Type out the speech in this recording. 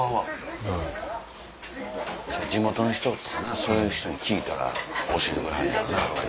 地元の人とかなそういう人に聞いたら教えてくれはんのやろな。